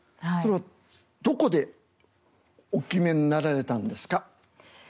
それはどこでお決めになられたんですか？